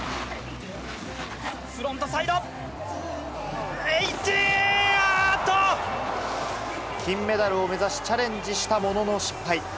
フロントサイド１８、あーっ金メダルを目指し、チャレンジしたものの失敗。